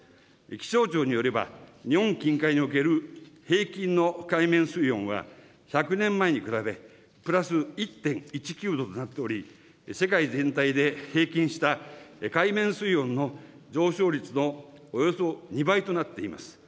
気象庁によれば、日本近海における平均の海面水温は、１００年前に比べプラス１．１９度となっており、世界全体で平均した海面水温の上昇率のおよそ２倍となっています。